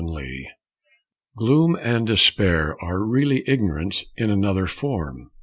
HOPE Gloom and despair are really ignorance in another form.